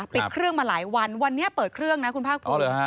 ปิดเครื่องมาหลายวันวันนี้เปิดเครื่องนะคุณภาคภูมิ